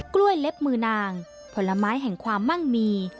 เล็บมือนางผลไม้แห่งความมั่งมี